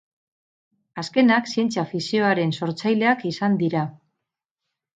Azkenak zientzia-fikzioaren sortzaileak izan dira.